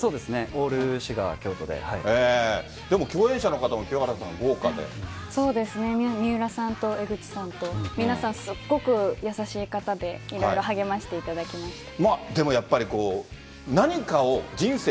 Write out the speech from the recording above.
オール滋賀、でも共演者の方も、清原さん、そうですね、みうらさんと江口さんと、皆さん、すっごく優しい方で、いろいろ励ましていただきました。